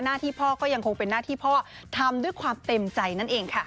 หน้าที่พ่อก็ยังคงเป็นหน้าที่พ่อทำด้วยความเต็มใจนั่นเองค่ะ